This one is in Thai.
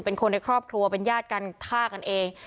เป็นคนในครอบครัวเป็นญาติกันฆ่ากันเอง